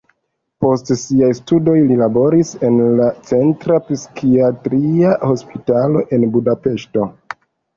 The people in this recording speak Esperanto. Post siaj studoj li laboris en la centra psikiatria hospitalo en Budapeŝto.